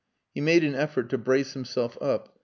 He made an effort to brace himself up.